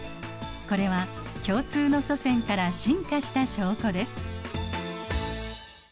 これは共通の祖先から進化した証拠です。